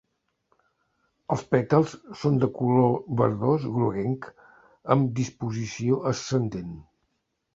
Els pètals són de color verdós groguenc amb disposició ascendent.